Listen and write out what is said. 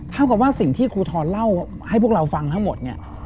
กับว่าสิ่งที่ครูทรเล่าให้พวกเราฟังทั้งหมดเนี่ย